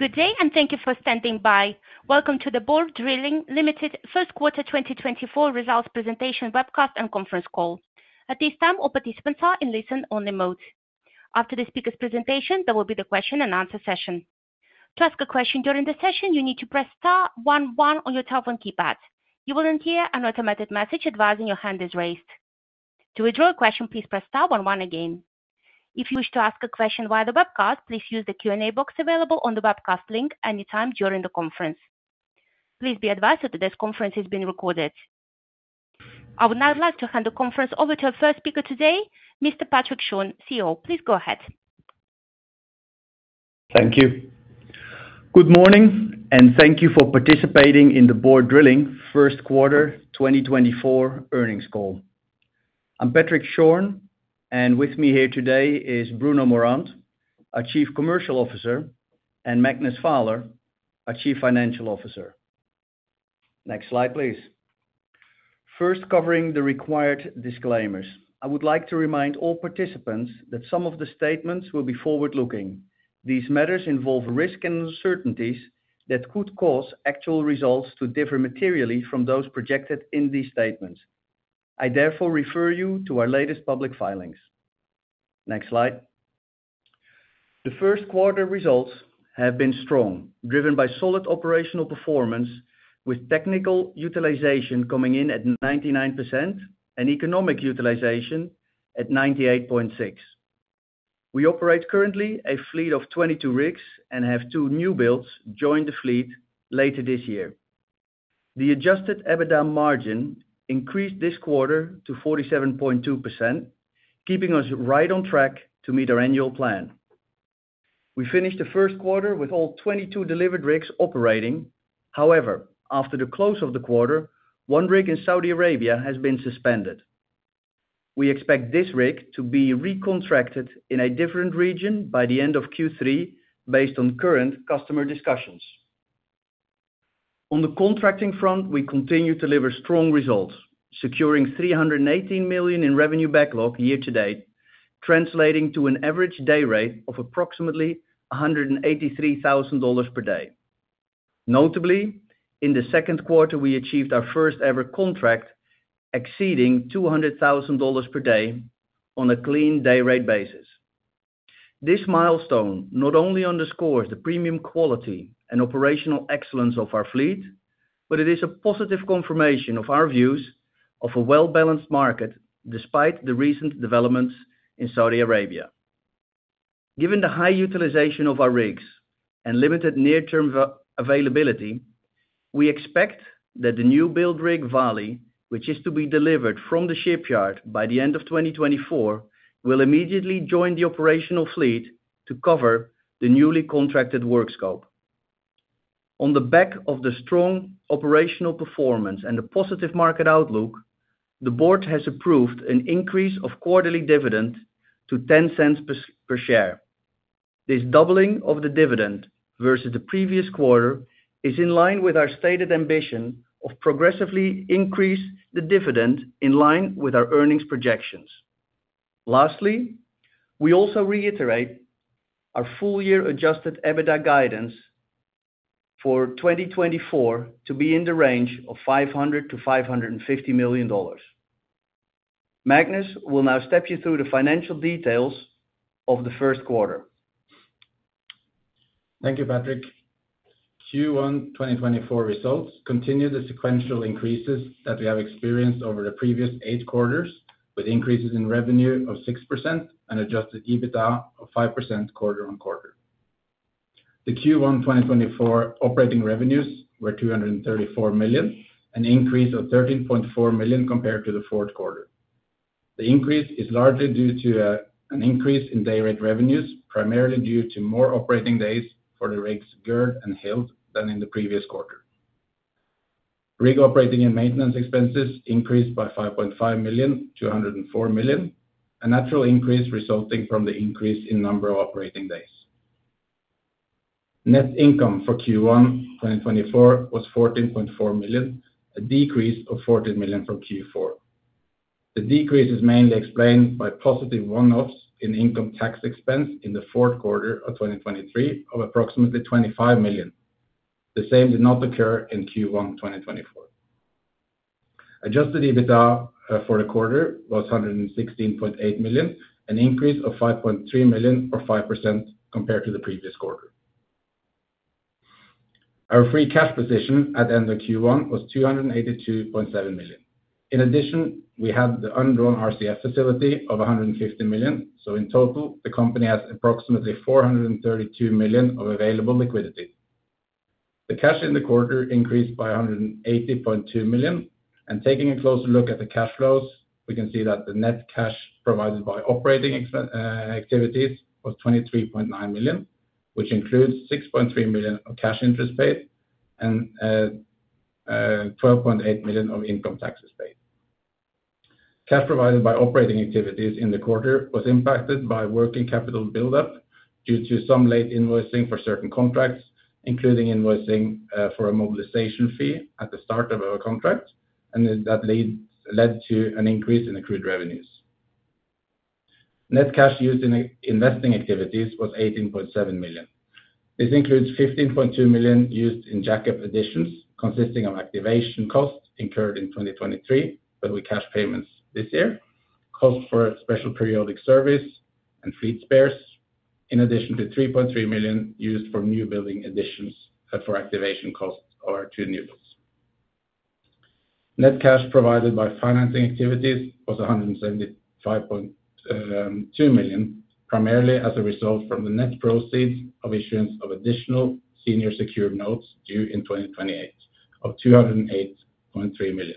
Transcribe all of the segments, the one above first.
Good day, and thank you for standing by. Welcome to the Borr Drilling Limited First Quarter 2024 Results Presentation Webcast and Conference Call. At this time, all participants are in listen-only mode. After the speaker's presentation, there will be the question and answer session. To ask a question during the session, you need to press star one one on your telephone keypad. You will then hear an automated message advising your hand is raised. To withdraw a question, please press star one one again. If you wish to ask a question via the webcast, please use the Q&A box available on the webcast link anytime during the conference. Please be advised that today's conference is being recorded. I would now like to hand the conference over to our first speaker today, Mr. Patrick Schorn, CEO. Please go ahead. Thank you. Good morning, and thank you for participating in the Borr Drilling First Quarter 2024 Earnings Call. I'm Patrick Schorn, and with me here today is Bruno Morand, our Chief Commercial Officer, and Magnus Vaaler, our Chief Financial Officer. Next slide, please. First, covering the required disclaimers. I would like to remind all participants that some of the statements will be forward-looking. These matters involve risks and uncertainties that could cause actual results to differ materially from those projected in these statements. I therefore refer you to our latest public filings. Next slide. The first quarter results have been strong, driven by solid operational performance, with technical utilization coming in at 99% and economic utilization at 98.6%. We operate currently a fleet of 22 rigs and have two new builds join the fleet later this year. The adjusted EBITDA margin increased this quarter to 47.2%, keeping us right on track to meet our annual plan. We finished the first quarter with all 22 delivered rigs operating. However, after the close of the quarter, one rig in Saudi Arabia has been suspended. We expect this rig to be recontracted in a different region by the end of Q3, based on current customer discussions. On the contracting front, we continue to deliver strong results, securing $318 million in revenue backlog year-to-date, translating to an average day rate of approximately $183,000 per day. Notably, in the second quarter, we achieved our first-ever contract exceeding $200,000 per day on a clean day rate basis. This milestone not only underscores the premium quality and operational excellence of our fleet, but it is a positive confirmation of our views of a well-balanced market despite the recent developments in Saudi Arabia. Given the high utilization of our rigs and limited near-term availability, we expect that the new build rig, Vali, which is to be delivered from the shipyard by the end of 2024, will immediately join the operational fleet to cover the newly contracted work scope. On the back of the strong operational performance and the positive market outlook, the board has approved an increase of quarterly dividend to $0.10 per share. This doubling of the dividend versus the previous quarter is in line with our stated ambition of progressively increase the dividend in line with our earnings projections. Lastly, we also reiterate our full-year Adjusted EBITDA guidance for 2024 to be in the range of $500 million-$550 million. Magnus will now step you through the financial details of the first quarter. Thank you, Patrick. Q1 2024 results continue the sequential increases that we have experienced over the previous eight quarters, with increases in revenue of 6% and adjusted EBITDA of 5% quarter-on-quarter. The Q1 2024 operating revenues were $234 million, an increase of $13.4 million compared to the fourth quarter. The increase is largely due to an increase in dayrate revenues, primarily due to more operating days for the rigs Gerd and Hild than in the previous quarter. Rig operating and maintenance expenses increased by $5.5 million to $104 million, a natural increase resulting from the increase in number of operating days. Net income for Q1 2024 was $14.4 million, a decrease of $14 million from Q4. The decrease is mainly explained by positive one-offs in income tax expense in the fourth quarter of 2023 of approximately $25 million. The same did not occur in Q1 2024. Adjusted EBITDA for the quarter was $116.8 million, an increase of $5.3 million, or 5%, compared to the previous quarter. Our free cash position at the end of Q1 was $282.7 million. In addition, we have the undrawn RCF facility of $150 million. So in total, the company has approximately $432 million of available liquidity. The cash in the quarter increased by $180.2 million. Taking a closer look at the cash flows, we can see that the net cash provided by operating activities was $23.9 million, which includes $6.3 million of cash interest paid and twelve point eight million of income taxes paid. Cash provided by operating activities in the quarter was impacted by working capital buildup due to some late invoicing for certain contracts, including invoicing for a mobilization fee at the start of our contract, and then that led to an increase in accrued revenues. Net cash used in investing activities was $18.7 million. This includes $15.2 million used in jack-up additions, consisting of activation costs incurred in 2023, but with cash payments this year, cost for Special Periodic Service and fleet spares, in addition to $3.3 million used for new building additions for activation costs of our two new builds. Net cash provided by financing activities was $175.2 million, primarily as a result from the net proceeds of issuance of additional Senior Secured Notes due in 2028 of $208.3 million.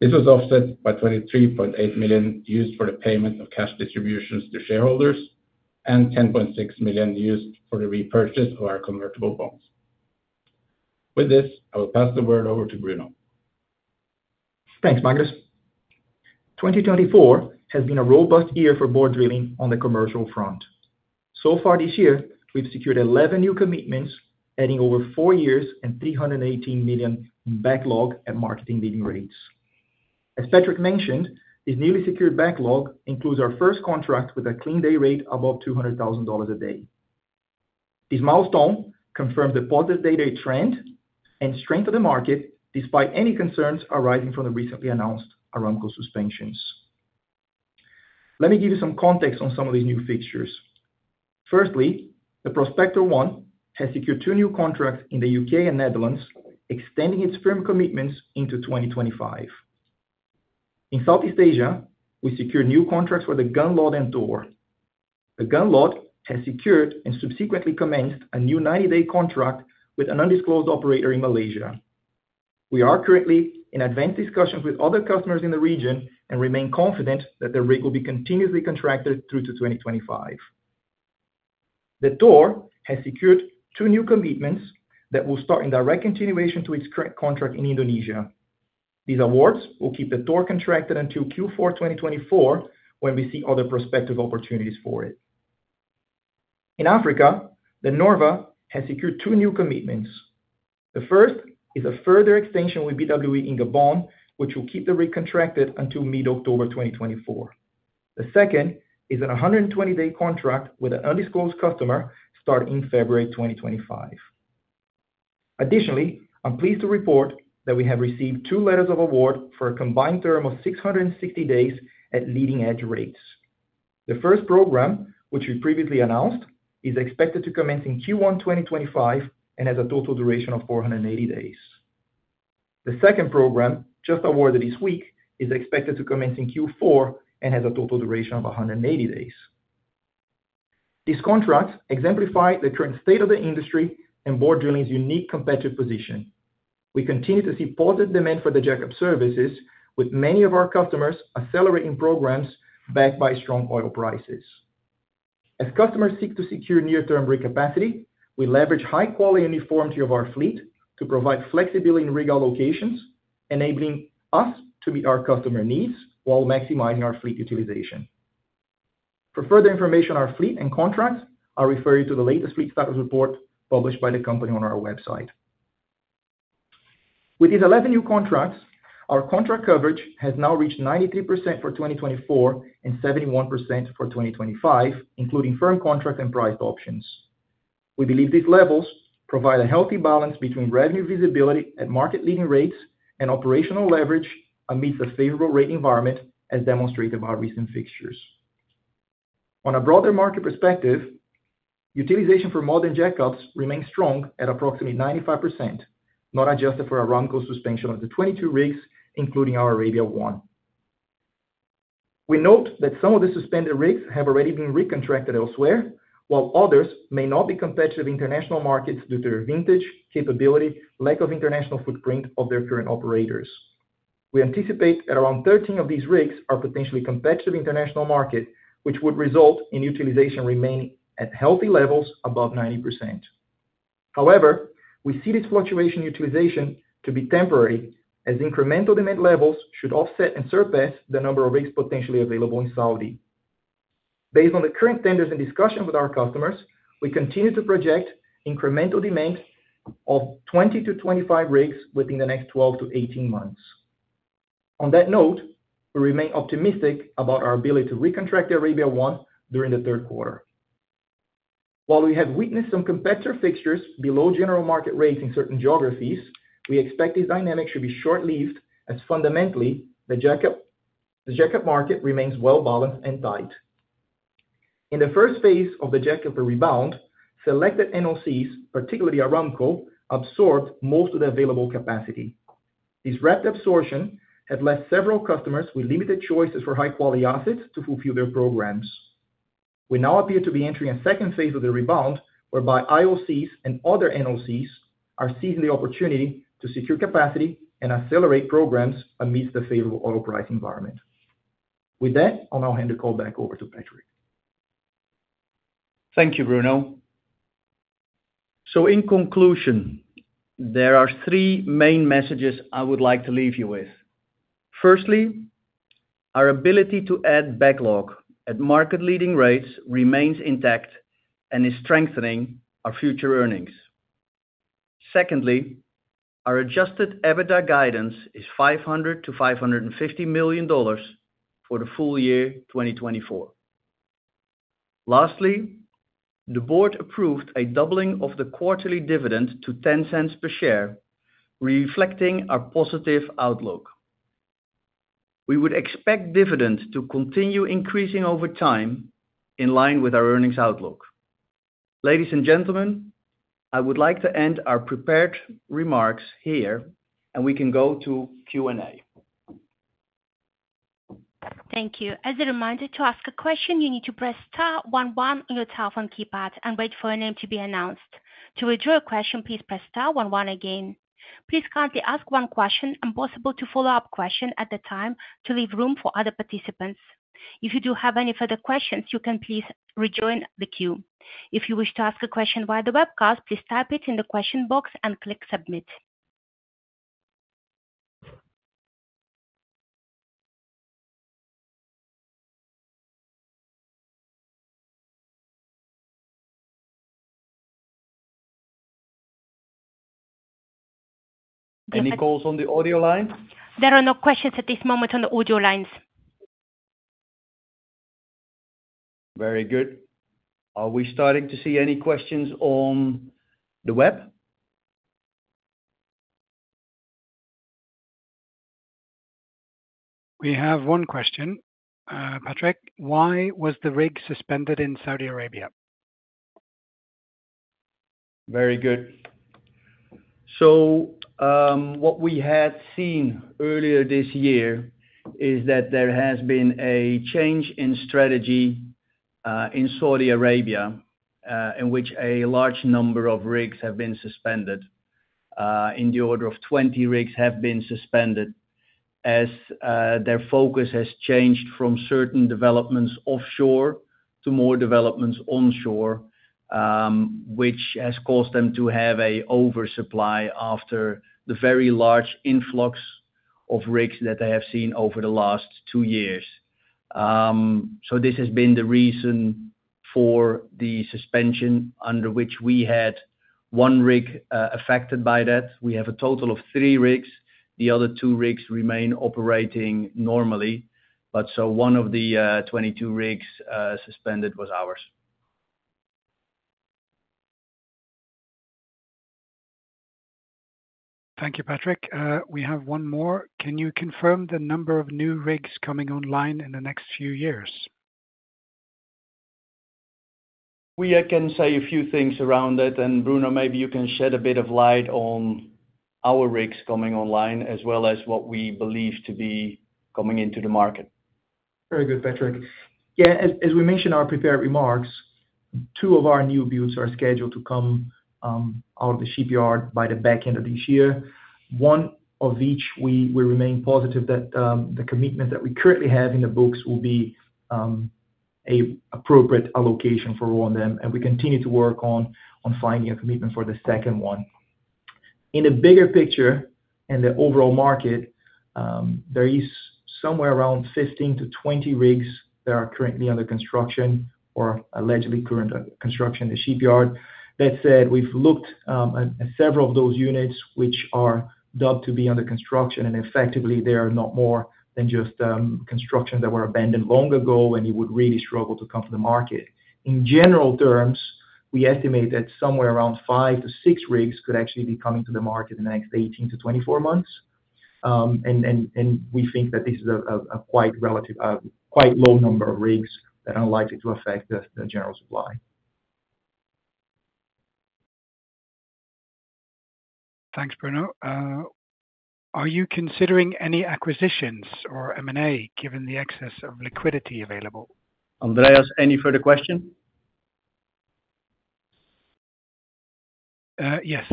This was offset by $23.8 million used for the payment of cash distributions to shareholders, and $10.6 million used for the repurchase of our Convertible Bonds. With this, I will pass the word over to Bruno. Thanks, Magnus. 2024 has been a robust year for Borr Drilling on the commercial front. So far this year, we've secured 11 new commitments, adding over four years and $318 million in backlog at market-leading rates. As Patrick mentioned, this newly secured backlog includes our first contract with a clean day rate above $200,000 a day. This milestone confirms the positive day rate trend and strength of the market, despite any concerns arising from the recently announced Aramco suspensions. Let me give you some context on some of these new fixtures. Firstly, the Prospector 1 has secured two new contracts in the U.K. and Netherlands, extending its firm commitments into 2025. In Southeast Asia, we secured new contracts for the Gunnlod and Thor. The Gunnlod has secured and subsequently commenced a new 90-day contract with an undisclosed operator in Malaysia. We are currently in advanced discussions with other customers in the region, and remain confident that the rig will be continuously contracted through to 2025. The Thor has secured two new commitments that will start in direct continuation to its current contract in Indonesia. These awards will keep the Thor contracted until Q4 2024, when we see other prospective opportunities for it. In Africa, the Norve has secured two new commitments. The first is a further extension with BWE in Gabon, which will keep the rig contracted until mid-October 2024. The second is a 120-day contract with an undisclosed customer, starting in February 2025. Additionally, I'm pleased to report that we have received two letters of award for a combined term of 660 days at leading-edge rates. The first program, which we previously announced, is expected to commence in Q1 2025 and has a total duration of 480 days. The second program, just awarded this week, is expected to commence in Q4 and has a total duration of 180 days. These contracts exemplify the current state of the industry and Borr Drilling's unique competitive position. We continue to see positive demand for the jack-up services, with many of our customers accelerating programs backed by strong oil prices. As customers seek to secure near-term rig capacity, we leverage high quality and uniformity of our fleet to provide flexibility in rig allocations, enabling us to meet our customer needs while maximizing our fleet utilization. For further information on our fleet and contracts, I refer you to the latest fleet status report published by the company on our website. With these 11 new contracts, our contract coverage has now reached 93% for 2024, and 71% for 2025, including firm contracts and priced options. We believe these levels provide a healthy balance between revenue visibility at market leading rates and operational leverage amidst a favorable rate environment, as demonstrated by recent fixtures. On a broader market perspective, utilization for modern jack-ups remains strong at approximately 95%, not adjusted for Aramco suspension of the 22 rigs, including our Arabia I. We note that some of the suspended rigs have already been recontracted elsewhere, while others may not be competitive in international markets due to their vintage, capability, lack of international footprint of their current operators. We anticipate that around 13 of these rigs are potentially competitive international market, which would result in utilization remaining at healthy levels above 90%. However, we see this fluctuation in utilization to be temporary, as incremental demand levels should offset and surpass the number of rigs potentially available in Saudi. Based on the current tenders and discussions with our customers, we continue to project incremental demands of 20-25 rigs within the next 12-18 months. On that note, we remain optimistic about our ability to recontract the Arabia I during the third quarter. While we have witnessed some competitor fixtures below general market rates in certain geographies, we expect this dynamic should be short-lived, as fundamentally, the jack-up, the jack-up market remains well balanced and tight. In the first phase of the jack-up rebound, selected NOCs, particularly Aramco, absorbed most of the available capacity. This rapid absorption has left several customers with limited choices for high-quality assets to fulfill their programs. We now appear to be entering a second phase of the rebound, whereby IOCs and other NOCs are seizing the opportunity to secure capacity and accelerate programs amidst the favorable oil price environment. With that, I'll now hand the call back over to Patrick. Thank you, Bruno. In conclusion, there are three main messages I would like to leave you with. Firstly, our ability to add backlog at market leading rates remains intact and is strengthening our future earnings. Secondly, our Adjusted EBITDA guidance is $500 million-$550 million for the full year 2024. Lastly, the board approved a doubling of the quarterly dividend to $0.10 per share, reflecting our positive outlook. We would expect dividends to continue increasing over time in line with our earnings outlook. Ladies and gentlemen, I would like to end our prepared remarks here, and we can go to Q&A. Thank you. As a reminder, to ask a question, you need to press star one one on your telephone keypad and wait for your name to be announced. To withdraw a question, please press star one one again. Please kindly ask one question and possibly a follow-up question at a time to leave room for other participants. If you do have any further questions, you can please rejoin the queue. If you wish to ask a question via the webcast, please type it in the question box and click submit. Any calls on the audio line? There are no questions at this moment on the audio lines. Very good. Are we starting to see any questions on the web? We have one question. Patrick, why was the rig suspended in Saudi Arabia? Very good. So, what we had seen earlier this year is that there has been a change in strategy in Saudi Arabia, in which a large number of rigs have been suspended. In the order of 20 rigs have been suspended, as their focus has changed from certain developments offshore to more developments onshore, which has caused them to have an oversupply after the very large influx of rigs that they have seen over the last two years. So this has been the reason for the suspension under which we had one rig affected by that. We have a total of three rigs. The other two rigs remain operating normally, but so one of the 22 rigs suspended was ours. Thank you, Patrick. We have one more. Can you confirm the number of new rigs coming online in the next few years? We can say a few things around it, and, Bruno, maybe you can shed a bit of light on our rigs coming online, as well as what we believe to be coming into the market. Very good, Patrick. Yeah, as we mentioned in our prepared remarks, two of our new builds are scheduled to come out of the shipyard by the back end of this year. One of each, we remain positive that the commitment that we currently have in the books will be a appropriate allocation for all of them, and we continue to work on finding a commitment for the second one. In the bigger picture, in the overall market, there is somewhere around 15-20 rigs that are currently under construction or allegedly current construction in the shipyard. That said, we've looked at several of those units, which are dubbed to be under construction, and effectively they are not more than just construction that were abandoned long ago and would really struggle to come to the market. In general terms, we estimate that somewhere around 5-6 rigs could actually be coming to the market in the next 18-24 months. We think that this is a quite relatively, quite low number of rigs that are likely to affect the general supply. Thanks, Bruno. Are you considering any acquisitions or M&A, given the excess of liquidity available? Andreas, any further question? Yes.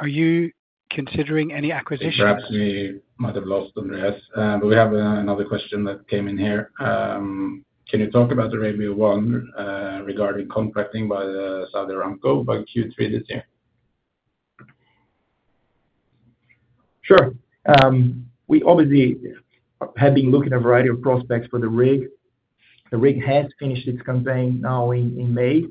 Are you considering any acquisitions? Perhaps we might have lost Andreas, but we have another question that came in here. Can you talk about the Arabia I, regarding contracting by the Saudi Aramco by Q3 this year? Sure. We obviously have been looking at a variety of prospects for the rig. The rig has finished its campaign now in May.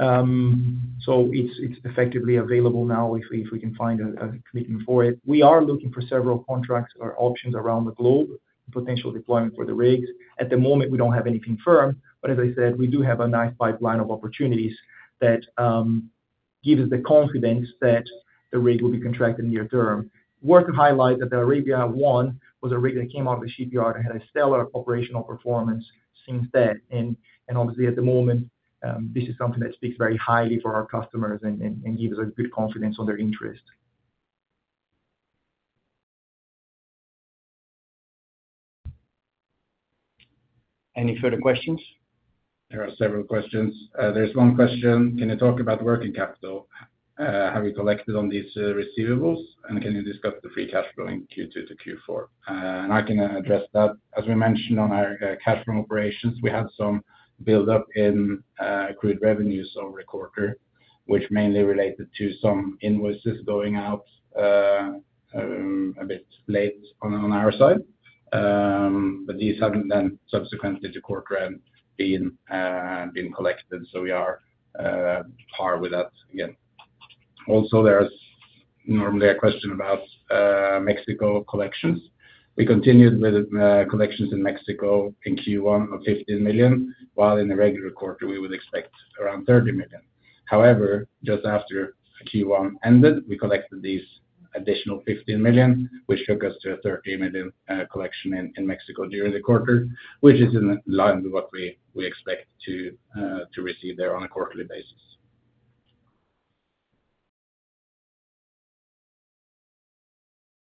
So it's effectively available now, if we can find a commitment for it. We are looking for several contracts or options around the globe, potential deployment for the rigs. At the moment, we don't have anything firm, but as I said, we do have a nice pipeline of opportunities that give us the confidence that the rig will be contracted near term. It's worth highlighting that the Arabia I was a rig that came out of the shipyard and had a stellar operational performance since then, and obviously, at the moment, this is something that speaks very highly for our customers and gives us good confidence on their interest. Any further questions? There are several questions. There's one question: Can you talk about working capital? Have you collected on these receivables, and can you discuss the free cash flow in Q2 to Q4? I can address that. As we mentioned on our cash from operations, we have some buildup in accrued revenues over the quarter. which mainly related to some invoices going out, a bit late on our side. But these have been subsequently to quarter end, been collected, so we are par with that again. Also, there's normally a question about Mexico collections. We continued with collections in Mexico in Q1 of $15 million, while in the regular quarter, we would expect around $30 million. However, just after Q1 ended, we collected these additional $15 million, which took us to a $13 million collection in Mexico during the quarter, which is in line with what we expect to receive there on a quarterly basis.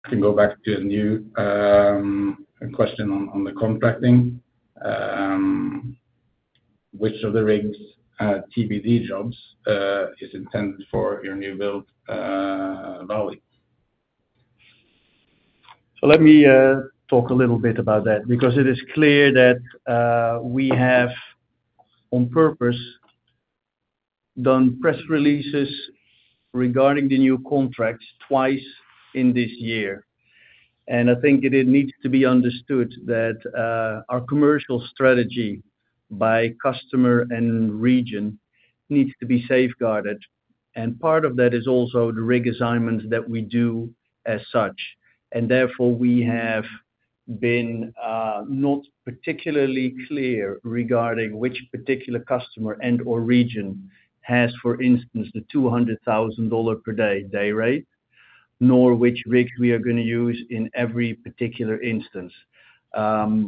To go back to a new question on the contracting. Which of the rigs TBD jobs is intended for your new build Vali? So let me talk a little bit about that, because it is clear that we have, on purpose, done press releases regarding the new contracts twice in this year. And I think it needs to be understood that our commercial strategy by customer and region needs to be safeguarded, and part of that is also the rig assignments that we do as such. And therefore, we have been not particularly clear regarding which particular customer and/or region has, for instance, the $200,000 per day day rate, nor which rig we are gonna use in every particular instance.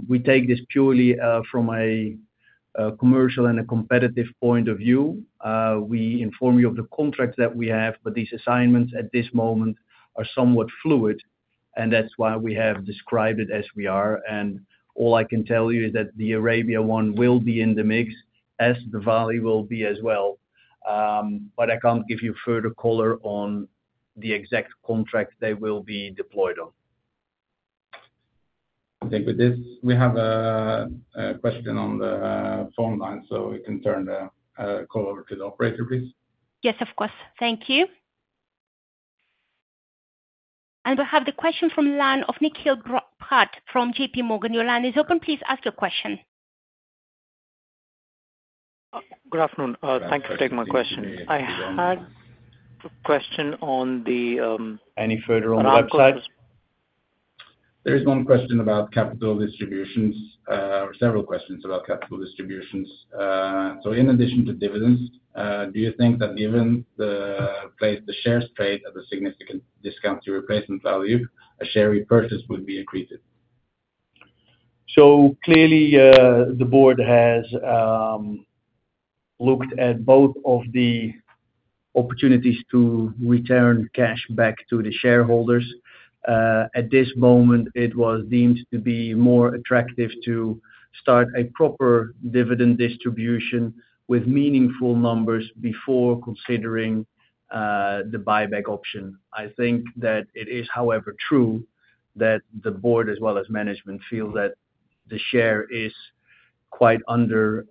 We take this purely from a commercial and a competitive point of view. We inform you of the contracts that we have, but these assignments at this moment are somewhat fluid, and that's why we have described it as we are. All I can tell you is that the Arabia I will be in the mix, as the Vali will be as well. But I can't give you further color on the exact contract they will be deployed on. I think with this, we have a question on the phone line, so we can turn the call over to the operator, please. Yes, of course. Thank you. We have the question from the line of Nikhil Bhat from J.P. Morgan. Your line is open, please ask your question. Good afternoon. Thank you for taking my question. I had a question on the, Any further on the websites? There is one question about capital distributions, or several questions about capital distributions. So in addition to dividends, do you think that given the place the shares trade at a significant discount to replacement value, a share repurchase would be increased? So clearly, the board has looked at both of the opportunities to return cash back to the shareholders. At this moment, it was deemed to be more attractive to start a proper dividend distribution with meaningful numbers before considering the buyback option. I think that it is, however, true that the board as well as management feel that the share is quite undervalued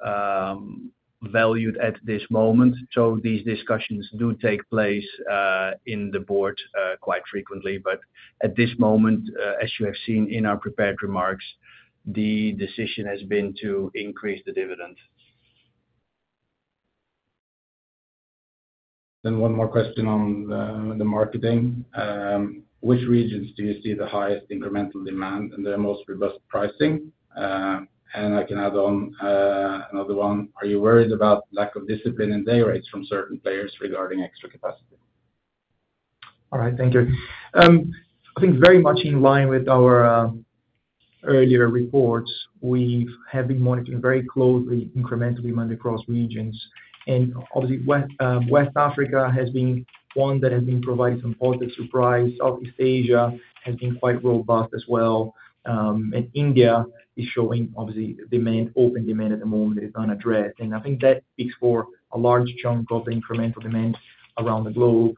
at this moment. So these discussions do take place in the board quite frequently, but at this moment, as you have seen in our prepared remarks, the decision has been to increase the dividend. Then one more question on the marketing. Which regions do you see the highest incremental demand and the most robust pricing? And I can add on another one. Are you worried about lack of discipline in day rates from certain players regarding extra capacity? All right, thank you. I think very much in line with our earlier reports, we have been monitoring very closely incremental demand across regions. Obviously, West Africa has been one that has been providing some positive surprise. Southeast Asia has been quite robust as well. India is showing obviously open demand at the moment that is unaddressed. I think that speaks for a large chunk of the incremental demand around the globe.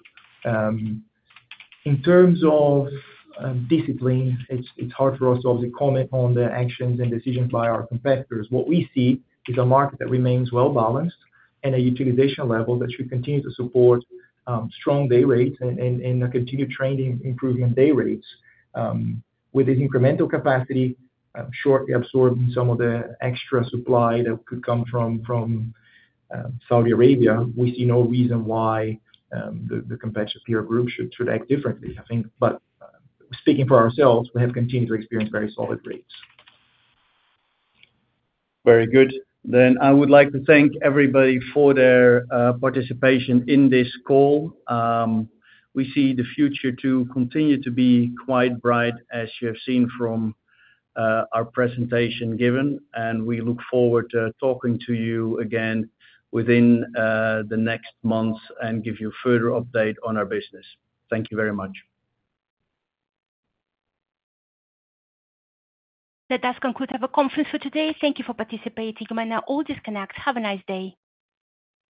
In terms of discipline, it's hard for us to obviously comment on the actions and decisions by our competitors. What we see is a market that remains well-balanced and a utilization level that should continue to support strong day rates and a continued trend in improving day rates. With this incremental capacity, shortly absorbing some of the extra supply that could come from Saudi Arabia, we see no reason why the competitive peer group should act differently, I think. But speaking for ourselves, we have continued to experience very solid rates. Very good. Then, I would like to thank everybody for their participation in this call. We see the future to continue to be quite bright, as you have seen from our presentation given, and we look forward to talking to you again within the next months and give you further update on our business. Thank you very much. That does conclude our conference for today. Thank you for participating. You may now all disconnect. Have a nice day.